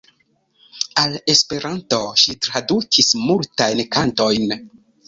Al Esperanto ŝi tradukis multajn kantojn.